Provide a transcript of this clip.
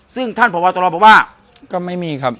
ซึ่งท่านพบตรบอกว่าก็ไม่มีครับ